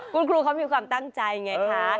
คุณครูเขามีความตั้งใจไงคะ